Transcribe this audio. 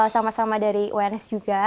sama sama dari uns juga